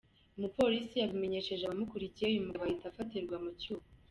Umupolisi yabimenyesheje abamukuriye, uyu mugabo ahita afatirwa mu cyuho.